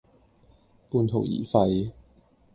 半途而廢